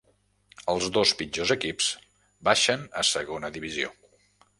Els dos pitjors equips baixen a Segona Divisió.